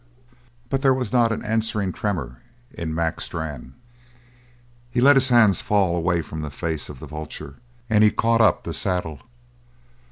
But there was not an answering tremor in Mac Strann. He let his hands fall away from the face of the vulture and he caught up the saddle.